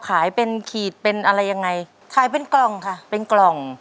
ขายเป็นขีดเป็นอะไรยังไงขายเป็นกล่องค่ะเป็นกล่อง